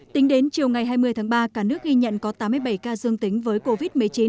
tính đến chiều ngày hai mươi tháng ba cả nước ghi nhận có tám mươi bảy ca dương tính với covid một mươi chín